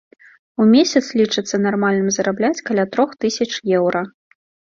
У месяц лічыцца нармальным зарабляць каля трох тысяч еўра.